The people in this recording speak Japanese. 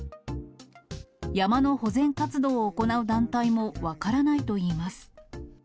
山の保全活動を行う団体も分からないといいます。